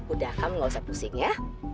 udah kamu gak usah pusing ya